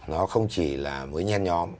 nó không chỉ là mới nhen nhóm